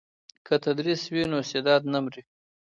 که تدریس وي نو استعداد نه مري.